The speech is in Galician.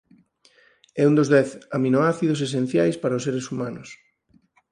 É un dos dez aminoácidos esenciais para os seres humanos.